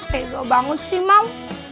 tegel banget sih mam